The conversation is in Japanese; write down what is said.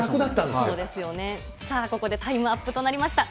さあここでタイムアップとなりました。